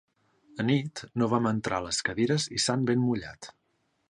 Anit no vam entrar les cadires i s'han ben mullat.